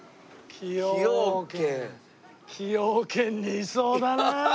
崎陽軒にいそうだな。